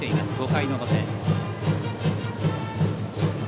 ５回の表。